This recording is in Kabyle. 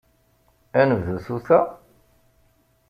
Ad nebdu tuta?